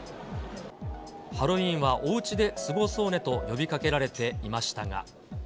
ハロウィーンはおうちで過ごそうねと呼びかけられていましたが。